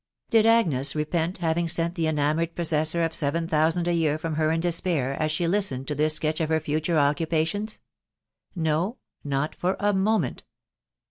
Did Agnes repent faring sent the enamoured possessor of seven thousand a year from her in despair, as she listened to this sketch of her future occupations ? No, not for a moment.